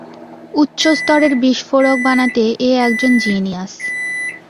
উচ্চস্তরের বিস্ফোরক বানাতে এ একজন জিনিয়াস।